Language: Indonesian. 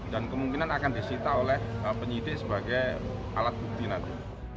dan kemungkinan akan disita oleh penyidik sebagai alat bukti nanti